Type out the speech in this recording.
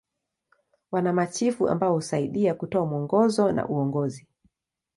Wana machifu ambao husaidia kutoa mwongozo na uongozi.